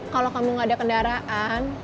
kalau kamu nggak ada kendaraan